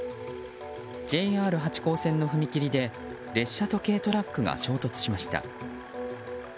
ＪＲ八高線の踏切で列車と軽トラックが衝突しました。